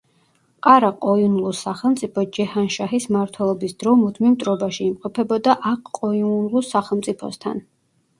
ყარა-ყოიუნლუს სახელმწიფო ჯეჰან-შაჰის მმართველობის დროს მუდმივ მტრობაში იმყოფებოდა აყ-ყოიუნლუს სახელმწიფოსთან.